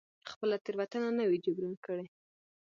خپله تېروتنه نه وي جبران کړې.